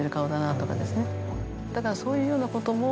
だからそういうようなことも。